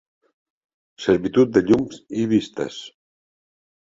Servitud de llums i vistes.